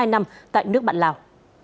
hai mươi hai năm tại nước bạn lào